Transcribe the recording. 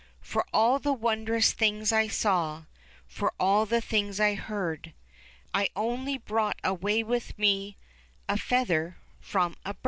For all the wondrous things I For all the things I heard, I only brought away with me A feather from a bird.